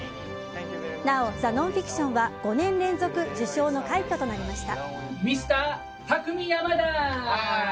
なお「ザ・ノンフィクション」は５年連続受賞の快挙となりました。